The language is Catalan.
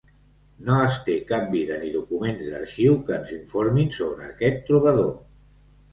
No es té cap vida ni documents d'arxiu que ens informin sobre aquest trobador.